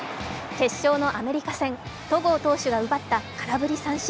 決勝のアメリカ戦、戸郷投手が奪った空振り三振。